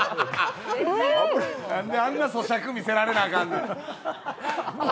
なんで、あんなそしゃく見せられなあかんの。